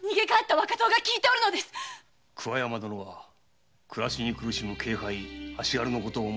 桑山殿は暮らしに苦しむ者たちのことを思い